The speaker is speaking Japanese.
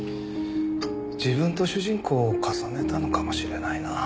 自分と主人公を重ねたのかもしれないな。